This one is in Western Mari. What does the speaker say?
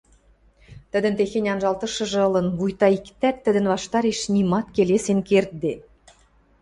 Тӹдӹн техень анжалтышыжы ылын, вуйта иктӓт тӹдӹн ваштареш нимат келесен кердде.